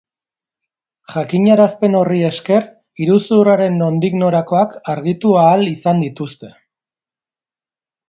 Jakinarazpen horri esker, iruzurraren nondik norakoak argitu ahal izan dituzte.